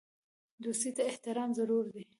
دوستۍ ته احترام ضروري دی.